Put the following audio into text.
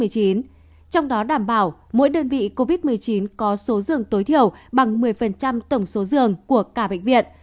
trong đó đảm bảo mỗi đơn vị covid một mươi chín có số giường tối thiểu bằng một mươi tổng số giường của cả bệnh viện